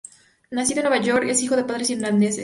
Nacido en Nueva York, es hijo de padres irlandeses.